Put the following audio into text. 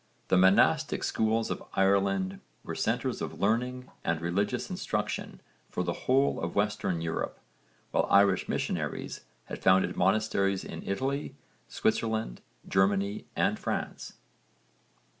The monastic schools of Ireland were centres of learning and religious instruction for the whole of Western Europe, while Irish missionaries had founded monasteries in Italy, Switzerland, Germany and France.